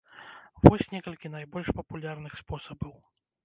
Вось некалькі найбольш папулярных спосабаў.